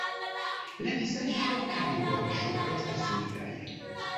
La vizaĝo kaj gorĝo estas nigraj.